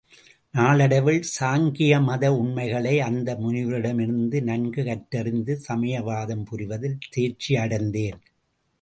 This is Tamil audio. நாளடைவில் சாங்கியமத உண்மைகளை அந்த முனிவரிடமிருந்து நன்கு கற்றறிந்து சமயவாதம் புரிவதில் தேர்ச்சியடைந்தேன்.